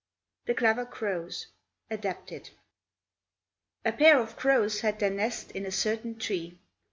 THE CLEVER CROWS (Adapted) A pair of crows had their nest in a certain tree.